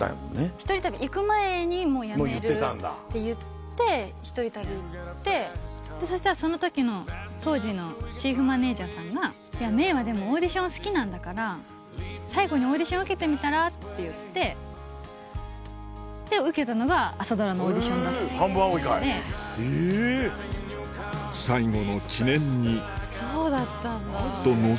１人旅行く前に、もう辞めるって言って、１人旅に行って、そしたらそのときの当時のチーフマネージャーさんが、いや、芽郁はでもオーディション好きなんだから、最後にオーディション受けてみたらっていって、で、受けたのが、朝ドラのオーディシ最後の記念に。